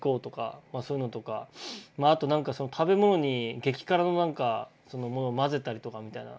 あとなんか食べ物に激辛のなんかもの混ぜたりとかみたいな。